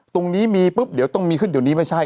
ตรงนี้มีปุ๊บเดี๋ยวต้องมีขึ้นเดี๋ยวนี้ไม่ใช่